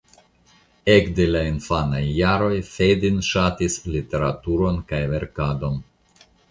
Ekde la infanaj jaroj Fedin ŝatis literaturon kaj verkadon.